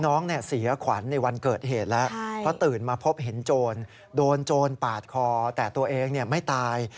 น้องเสียขวัญในวันเกิดเหตุแล้วเพราะตื่นมาพบเห็นโจรโดนโจรปาดคอแต่ตัวเองไม่ตาย